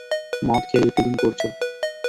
মদ খেয়ে ইভটিজিং করছ!